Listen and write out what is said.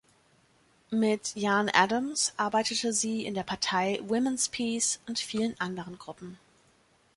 Mit Jan Addams arbeitete sie in der Partei Women‘s Peace und vielen anderen Gruppen.